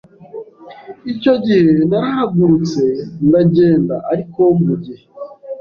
Icyo gihe narahagurutse ndagenda ariko mu gihe